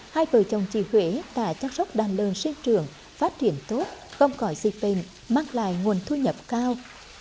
hai vợ chồng chị huế đã chăm sóc đàn lươn sinh trường phát triển tốt không còi di tình mang lại nguồn thu nhập cao